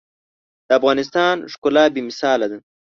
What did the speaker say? د افغانستان ښکلا بې مثاله ده.